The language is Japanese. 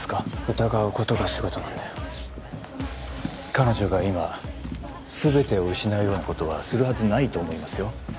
疑うことが仕事なんで彼女が今全てを失うようなことはするはずないと思いますよ